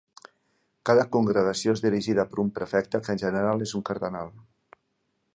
Cada congregació és dirigida per un prefecte, que en general és un cardenal.